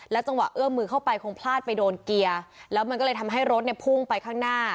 จังหวะเอื้อมมือเข้าไปคงพลาดไปโดนเกียร์แล้วมันก็เลยทำให้รถเนี่ยพุ่งไปข้างหน้า